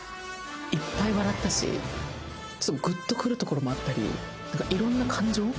いっぱい笑ったしグッとくるところもあったりいろんな感情？